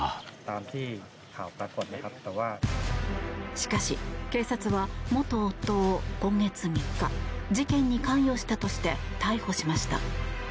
しかし、警察は元夫を今月３日事件に関与したとして逮捕しました。